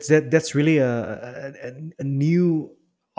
jadi itu benar benar